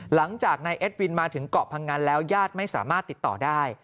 หลังจากนายเอ็ดวินมาถึงเกาะพังงันแล้วญาติไม่สามารถติดต่อได้